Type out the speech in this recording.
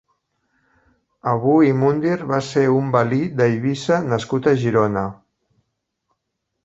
Abu-l-Mundir va ser un valí d'Eivissa nascut a Girona.